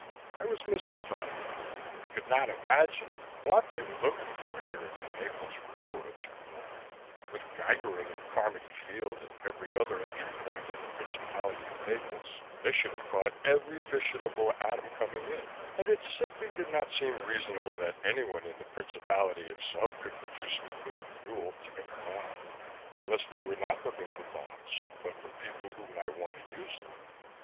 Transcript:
I was mystified, though I could not imagine what they were looking for here in the Naples railroad terminal; with geigering at Carmody Field and every other entry point to the Principality of Naples, they should have caught every fissionable atom coming in, and it simply did not seem reasonable that anyone in the principality itself could produce nuclear fuel to make a bomb. Unless they were not looking for bombs, but for people who might want to use them.